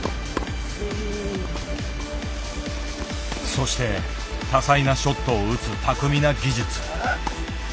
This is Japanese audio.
そして多彩なショットを打つ巧みな技術。